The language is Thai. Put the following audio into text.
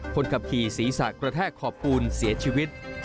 คนขับขี่ศีรษะกระแทกขอบปูนเสียชีวิต